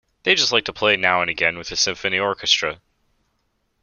They just like to play now and again with a Symphony Orchestra.